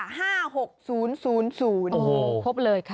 โอ้โหพบเลยค่ะ